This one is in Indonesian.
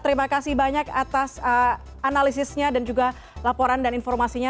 terima kasih banyak atas analisisnya dan juga laporan dan informasinya